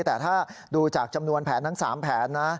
แต่ถ้าดูจากจำนวนแผนทั้ง๓แผนนะ